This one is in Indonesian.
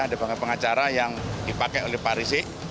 ada pengacara yang dipakai oleh pak rizik